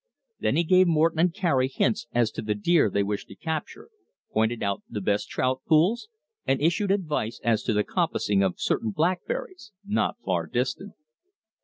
Then he gave Morton and Cary hints as to the deer they wished to capture, pointed out the best trout pools, and issued advice as to the compassing of certain blackberries, not far distant.